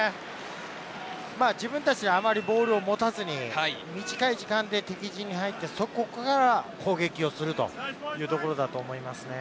自分たちであまりボールを持たずに短い時間で敵陣に入ってそこから攻撃をするというところだと思いますね。